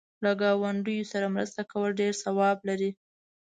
له گاونډیو سره مرسته کول ډېر ثواب لري.